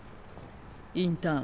インターン